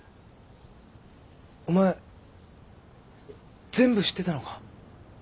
お前全部知ってたのか？